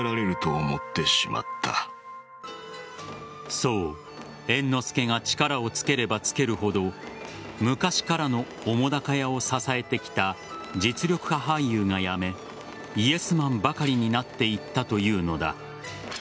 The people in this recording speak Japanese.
そう、猿之助が力をつければつけるほど昔からの澤瀉屋を支えてきた実力派俳優が辞めイエスマンばかりになっていったというのだ。